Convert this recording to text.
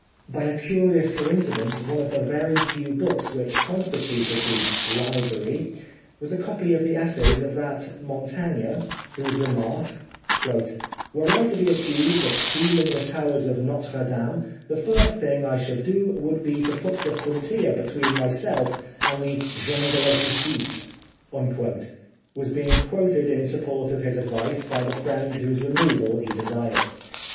By a curious coincidence one of the very few books which constituted the " library " was a copy of the essays of that Montaigne, whose remark, " Were I to be accused of stealing the towers of Notre Dame the first thing I should do would be to put the frontier between myself and the gens de la justice," was being quoted in support of his advice by the friend whose removal he desired.